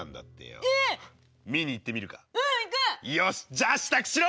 じゃあ支度しろ！